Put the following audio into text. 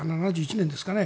７１年ですかね。